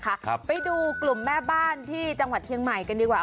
ครับไปดูกลุ่มแม่บ้านที่จังหวัดเชียงใหม่กันดีกว่า